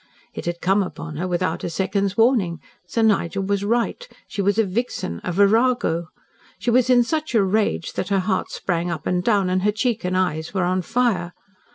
It had come upon her without a second's warning. Sir Nigel was right. She was a vixen a virago. She was in such a rage that her heart sprang up and down and her cheek and eyes were on fire.